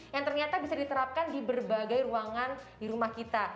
yang ternyata bisa diterapkan di berbagai ruangan di rumah kita